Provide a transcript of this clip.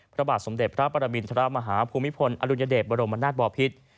พระบาทสมเด็จพระปรมินทรมาฮาภูมิพลอดุลยเดชบรมนาศบอพิษ